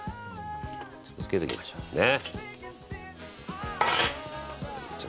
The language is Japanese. ちょっと漬けときましょうね。